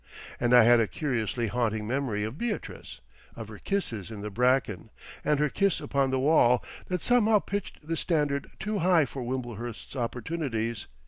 And I had a curiously haunting memory of Beatrice, of her kisses in the bracken and her kiss upon the wall, that somehow pitched the standard too high for Wimblehurst's opportunities.